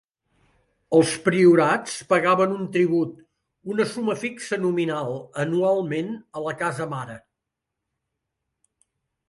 Els priorats pagaven un tribut, una suma fixa nominal, anualment a la "casa mare".